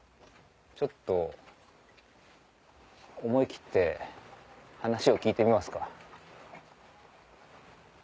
ちょっと思い切って話を聞いてみますか。